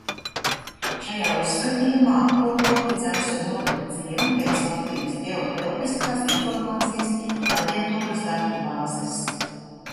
Šajā uzskatījumā apkopoti Cēsu novada ciemi pēc Latvijas Ģeotelpiskās informācijas aģentūras datubāzes.